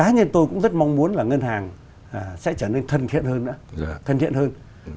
nên thân thiện hơn nữa thân thiện hơn